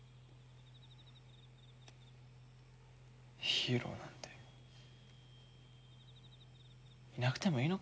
ヒーローなんていなくてもいいのかもな。